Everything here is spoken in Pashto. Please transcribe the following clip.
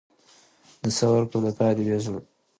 د ثور کودتا ادبیات سوسیالیستي رنګ ورکړ.